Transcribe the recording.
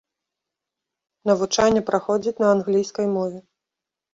Навучанне праходзіць на англійскай мове.